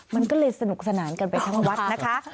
มันก็เลยสนุกสนานกันไปทั้งวัดนะคะ